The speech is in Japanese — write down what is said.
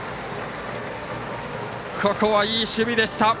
ここは、いい守備でした。